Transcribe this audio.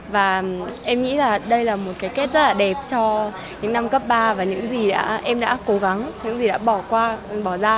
và em nghĩ là đây là một cái kết rất là đẹp cho những năm cấp ba và những gì em đã cố gắng những gì đã bỏ qua bỏ ra